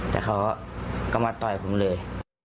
แต่เขาก็มาต่อยผมเลย